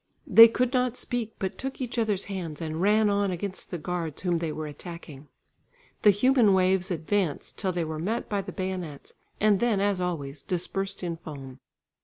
They could not speak, but took each other's hands and ran on against the guards whom they were attacking. The human waves advanced till they were met by the bayonets, and then as always, dispersed in foam.